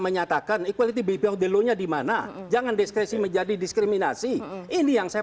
menyatakan equality baby of the law nya dimana jangan diskresi menjadi diskriminasi ini yang saya